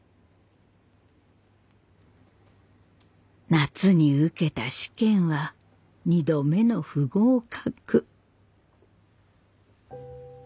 夏に受けた試験は２度目の不合格。